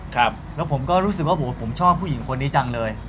ครับแล้วผมก็รู้สึกว่าโหผมชอบผู้หญิงคนนี้จังเลย